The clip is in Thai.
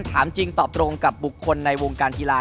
ถามจริงตอบตรงกับบุคคลในวงการกีฬา